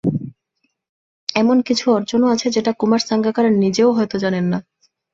এমন কিছু অর্জনও আছে, যেটা কুমার সাঙ্গাকারা নিজেও হয়তো জানেন না।